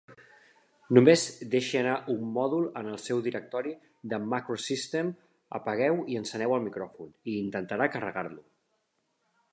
Només deixi anar un mòdul en el seu directori de MacroSystem, apagueu i enceneu el micròfon, i intentarà carregar-lo.